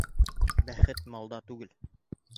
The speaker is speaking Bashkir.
Бәхет малда түгел.